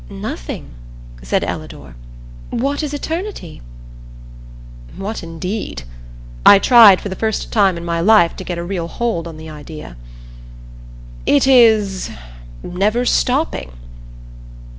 "Nothing," said Ellador. "What is eternity?" What indeed? I tried, for the first time in my life, to get a real hold on the idea. "It is never stopping."